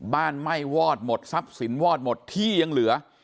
บ้านไหม้วอดหมดทรัพย์สินวอดหมดที่ยังเหลือ